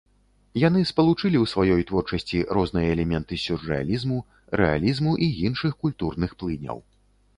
Яны спалучылі ў сваёй творчасці розныя элементы сюррэалізму, рэалізму і іншых культурных плыняў.